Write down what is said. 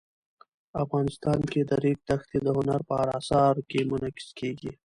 افغانستان کې د ریګ دښتې د هنر په اثار کې منعکس کېږي.